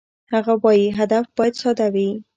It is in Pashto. هغه وايي، هدف باید ساده وي.